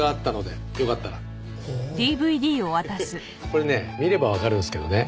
これね見ればわかるんですけどね